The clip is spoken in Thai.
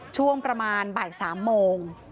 ช่วงประมาณบ่าย๓โมง